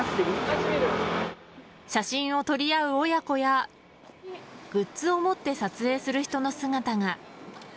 写真を撮り合う親子やグッズを持って撮影する人の姿が。